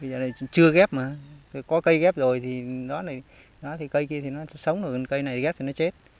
bây giờ này chưa ghép mà có cây ghép rồi thì cây kia nó sống rồi cây này ghép thì nó chết